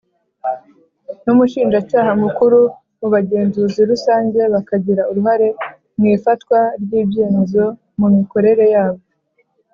N’Umushinjacyaha Mukuru mu Bagenzuzi rusange bakagira uruhare mu ifatwa ry ibyemezo mu mikorere yabo.